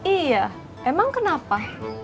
iya emang kenapa